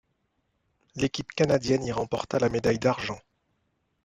L'équipe canadienne y remporta la médaille d'argent.